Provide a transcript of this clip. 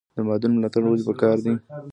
د مادون ملاتړ ولې پکار دی؟